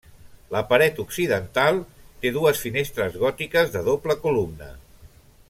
La paret occidental té dues finestres gòtiques de doble columna.